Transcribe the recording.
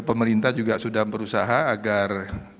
pemerintah juga sudah berusaha agar